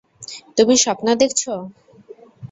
তুমি স্বপ্ন দেখছ।